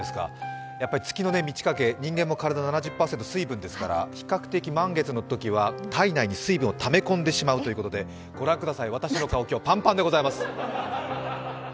月の満ち欠け、人間も体７０％水分ですから比較的満月のときは体内に水分をため込んでしまうため御覧ください、私の顔、今日パンパンでございます。